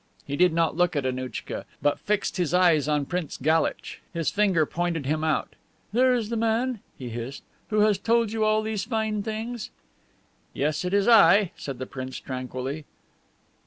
He did not look at Annouchka, but fixed his eyes on Prince Galitch. His finger pointed him out: "There is the man," he hissed, "who has told you all these fine things." "Yes, it is I," said the Prince, tranquilly.